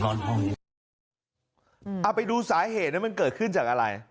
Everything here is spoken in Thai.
ผมนอนห้องนี้อืมเอาไปดูสาเหตุแล้วมันเกิดขึ้นจากอะไร